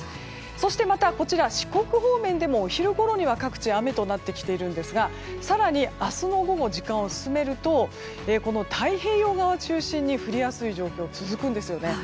そして、また四国方面でもお昼ごろには各地で雨となってきていますが更に明日の午後、時間を進めると太平洋側中心に降りやすい状況が続くんですよね。